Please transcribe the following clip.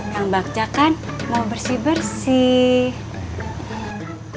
kang bakja kan mau bersih bersih